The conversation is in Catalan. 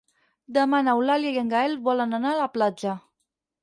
Demà n'Eulàlia i en Gaël volen anar a la platja.